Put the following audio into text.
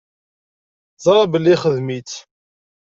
Ẓriɣ belli ixdem-itt.